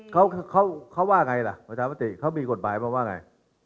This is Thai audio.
เขาเขาว่าไงล่ะประชามติเขามีกฎหมายมาว่าไง